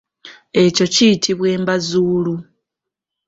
Ekyo kiyitibwa embazuulu.